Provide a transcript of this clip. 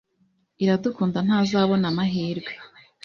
Iradukunda ntazabona amahirwe.